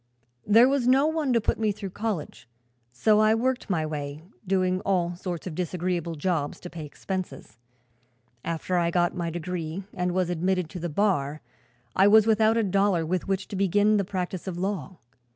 "There was no one to put me through college, so I worked my way doing all sorts of disagreeable jobs to pay expenses. After I got my degree and was admitted to the bar I was without a dollar with which to begin the practice of law.